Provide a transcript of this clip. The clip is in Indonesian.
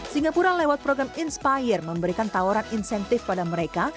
singapura lewat program inspire memberikan tawaran insentif pada mereka